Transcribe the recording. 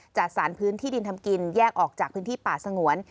จากสารพื้นที่ดินทำกินแยกออกจากพื้นที่ป่าสงวน